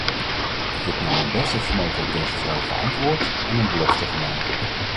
Ik heb naar mijn beste vermogen op deze vraag geantwoord en een belofte gedaan.